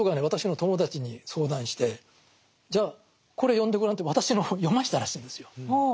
私の友達に相談してじゃあこれ読んでごらんって私の本を読ましたらしいんですよ。